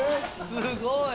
すごい。